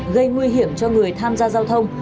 gây nguy hiểm cho người tham gia giao thông